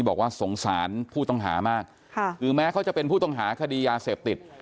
บอกว่าสงสารผู้ต้องหามากค่ะคือแม้เขาจะเป็นผู้ต้องหาคดียาเสพติด